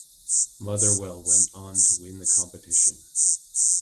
Motherwell went on to win the competition.